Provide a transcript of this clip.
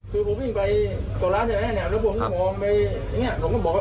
คือผมยิ่งไปเกาะร้านแห่งแห่งแล้วผมมองไปเนี่ยผมก็บอก